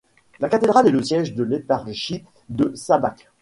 La cathédrale est le siège de l'éparchie de Šabac.